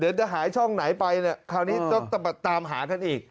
เดี๋ยวจะหายช่องไหนไปเนี่ยคราวนี้ต้องตามหากันอีก